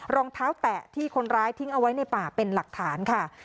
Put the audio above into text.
รองเท้าแตะที่คนร้ายทิ้งเอาไว้ในป่าเป็นหลักฐานค่ะ